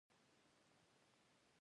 د پنیر او شیدو په تولید کې پرمختګ شو.